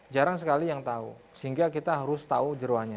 jarang sekali yang tahu sehingga kita harus tahu jeruannya